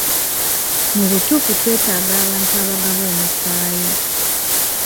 Mu butuufu twetaaga abantu abagaba omusaayi.